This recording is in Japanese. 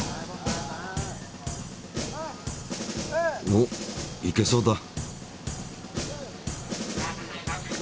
おっ行けそうだ。